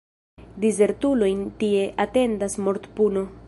Dizertulojn tie atendas mortpuno.